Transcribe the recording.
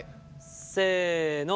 せの！